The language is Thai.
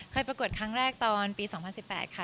ประกวดครั้งแรกตอนปี๒๐๑๘ค่ะ